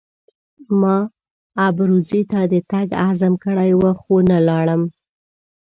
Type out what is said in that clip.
ما ابروزي ته د تګ عزم کړی وو خو نه ولاړم.